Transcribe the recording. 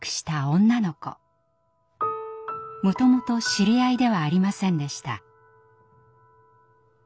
もともと知り合いではありませんでした。